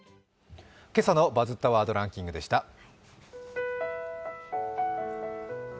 今朝の「バズったワードランキング」でした。